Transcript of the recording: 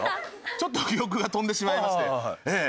ちょっと記憶が飛んでしまいましてええ。